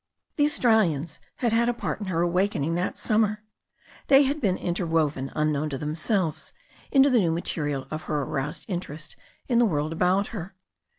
The Australians had had a part in her awakening that summer. They had been interwoven, unknown to them selves, into the new material of her aroused interest in the world about her.